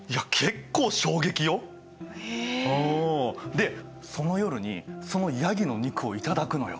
でその夜にそのヤギの肉を頂くのよ。